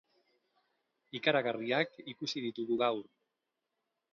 Ikaragarriak ikusi ditugu gaur.